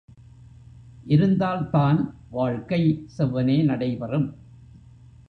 இருந்தால்தான், வாழ்க்கை செவ்வனே நடைபெறும்.